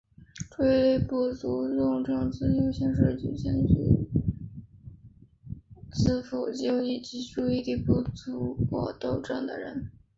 注意力不足过动症资优生是指同时兼具资赋优异及注意力不足过动症的人。